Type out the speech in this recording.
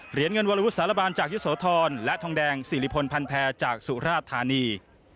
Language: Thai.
เหรียญเงินวรวุฒิสารบานจากยุโสธรและทองแดงสิริพลพันแพรจากสุราชธานี